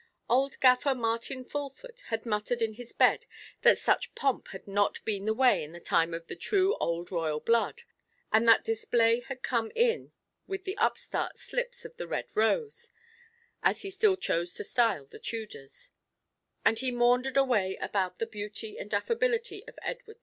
Old Gaffer Martin Fulford had muttered in his bed that such pomp had not been the way in the time of the true old royal blood, and that display had come in with the upstart slips of the Red Rose—as he still chose to style the Tudors; and he maundered away about the beauty and affability of Edward IV.